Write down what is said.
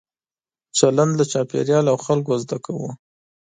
چلند له چاپېریال او خلکو زده کوو.